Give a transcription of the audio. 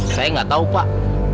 saya gak tau pak